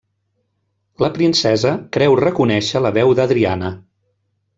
La princesa creu reconèixer la veu d'Adriana.